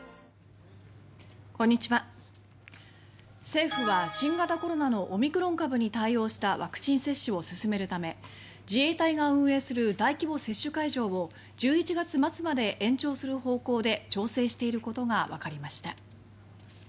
政府は、新型コロナのオミクロン株に対応したワクチン接種を進めるため自衛隊が運営する大規模接種会場を１１月末まで延長する方向で調整していることがわかりました。